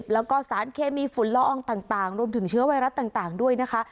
แล้วก็สารเคมีฝุ่นละอองต่างรวมถึงเชื้อไวรัสต่างด้วยนะคะ